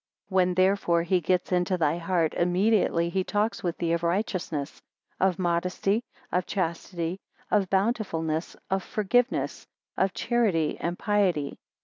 When, therefore, he gets into thy heart, immediately he talks with thee of righteousness, of modesty, of chastity, of bountifulness, of forgiveness, of charity, and piety.